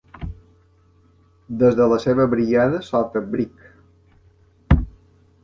Des de la seva brigada sota Brig.